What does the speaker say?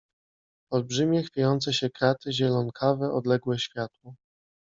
Olbrzymie, chwiejące się kraty, zielonkawe, odlegle światło.